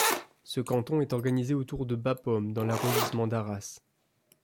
Ce canton est organisé autour de Bapaume dans l'arrondissement d'Arras.